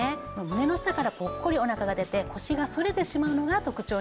胸の下からポッコリお腹が出て腰が反れてしまうのが特徴になります。